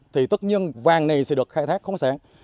thì tất nhiên vàng này sẽ được khai thác không sáng